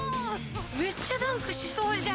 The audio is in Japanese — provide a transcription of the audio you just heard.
めっちゃダンクしそうじゃん。